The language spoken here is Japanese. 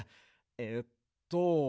えっと。